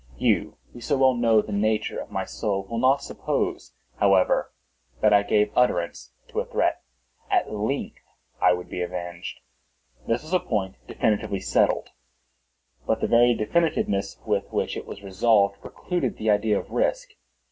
You, who so well know the nature of my soul, will not suppose, however, that I gave utterance to a threat. At length I would be avenged; this was a point definitively settled—but the very definitiveness with which it was resolved, precluded the idea of risk.